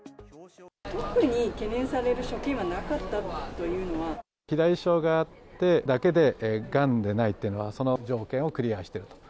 特に懸念される所見はなかっ肥大症があっただけで、がんでないっていうのは、その条件をクリアしていると。